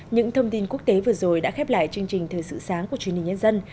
những thông tin quốc tế vừa rồi đã khép lại chương trình thời sự sáng của truyền hình nhân dân